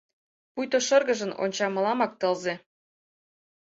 Пуйто шыргыжын онча мыламак тылзе.